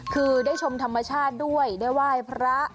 คือได้ชมธรรมชาติด้วยได้ไหว้พระ